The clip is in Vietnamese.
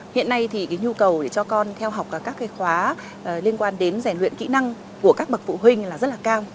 hiện nay thì cái nhu cầu để cho con theo học các khóa liên quan đến rèn luyện kỹ năng của các bậc phụ huynh là rất là cao